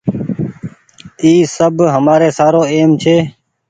اي سب همآري سارو اهم ڇي۔